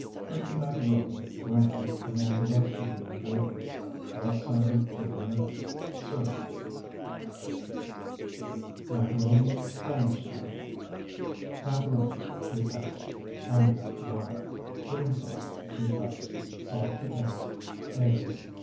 Cook the macaroni, drain, and add the rest of the ingredients. Let simmer thirty minutes. Serve. MACARONI (SPANISH STYLE) Macaroni, 2 cups. Onion, 1. Cream sauce, 2 cups. Salt to taste. Eggs, 3.